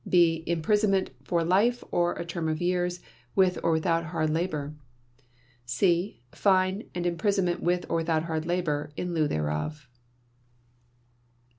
(b) Imprisonment for life or a term of years, with or without hard labor. (c) Fine, and imprisonment with or without hard labor, in lieu thereof."